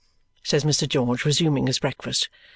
says Mr. George, resuming his breakfast.